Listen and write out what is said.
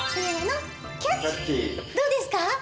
どうですか？